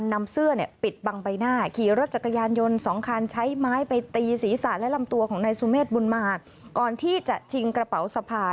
ในนั้นมีเงิน๒๒๔๐๐บาทไม่ใช่๕๐๐๐๐บาท